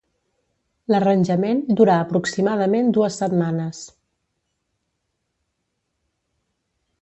L'arranjament durà aproximadament dues setmanes.